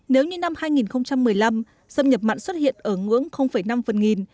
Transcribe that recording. nếu như năm hai nghìn một mươi năm xâm nhập mặn xuất hiện ở ngưỡng năm phần nghìn